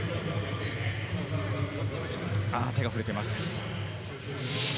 手が触れています。